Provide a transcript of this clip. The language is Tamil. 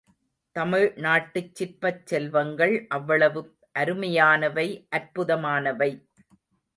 தமிழ்நாட்டுச் சிற்பச் செல்வங்கள் அவ்வளவு அருமையானவை, அற்புதமானவை.